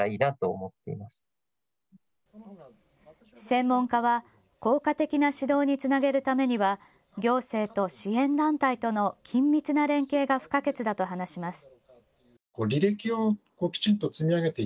専門家は効果的な指導につなげるためには行政と支援団体との緊密な連携が不可欠だと話します。